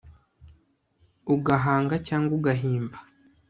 ugahanga cyangwa ugahimba